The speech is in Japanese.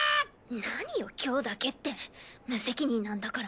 何よ今日だけって無責任なんだから。